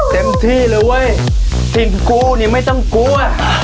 เต็มที่เลยเว้ยกลิ่นกูนี่ไม่ต้องกลัว